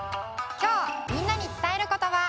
きょうみんなにつたえることば。